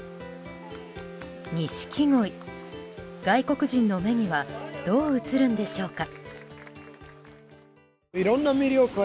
錦鯉、外国人の目にはどう映るんでしょうか。